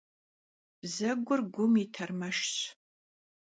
Bzegur gum yi termeşşş.